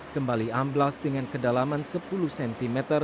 kembali amblas dengan kedalaman sepuluh cm